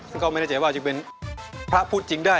ซึ่งก็ไม่แน่ใจว่าจึงเป็นพระพูดจริงได้